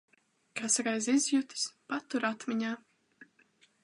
Kas reiz izjutis – patur atmiņā.